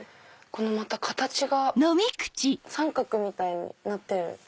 また形が三角みたいになってる。